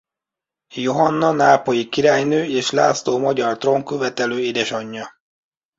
Johanna nápolyi királynő és László magyar trónkövetelő édesanyja.